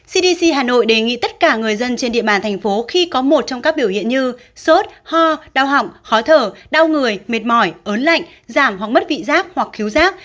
cdc hà nội đề nghị tất cả người dân trên địa bàn thành phố khi có một trong các biểu hiện như sốt ho đau họng khó thở đau người mệt mỏi ớn lạnh giảm hoặc mất vị giác hoặc cứu giác